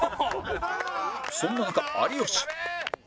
そんな中有吉